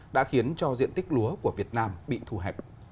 đã khiến cho diện tích lúa của việt nam bị thu hẹp